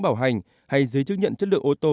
bảo hành hay giấy chứng nhận chất lượng ô tô